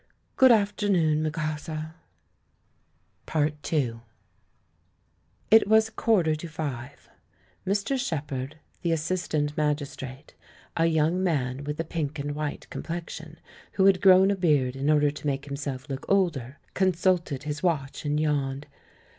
"Good afternoon, Mukasa." II It was a quarter to five. Mr. Shepherd, the assistant magistrate — a young man with a pink and white complexion, who had grown a beard in order to make himself look older — consulted his watch and yawned.